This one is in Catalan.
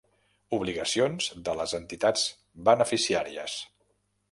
Obligacions de les entitats beneficiàries.